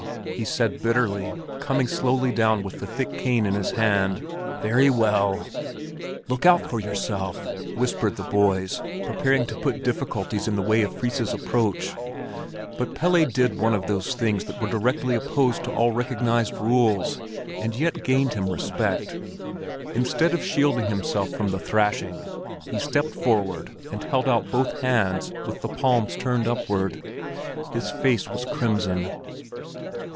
he said bitterly, coming slowly down with the thick cane in his hand. "Very well!" "Look out for yourself!" whispered the boys, preparing to put difficulties in the way of Fris's approach. But Pelle did one of those things that were directly opposed to all recognized rules, and yet gained him respect. Instead of shielding himself from the thrashing, he stepped forward and held out both hands with the palms turned upward. His face was crimson.